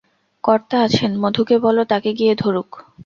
কর্তা আছেন, মধুকে বলো, তাঁকে গিয়ে ধরুক।